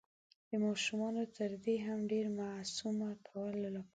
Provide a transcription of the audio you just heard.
د ماشومانو تر دې هم ډير معصومه کولو لپاره